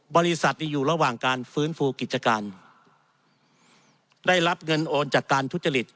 บริษัทแต่อยู่ระหว่างการฝืนฟูกิจการได้มันโนเดจัดการทุจจริต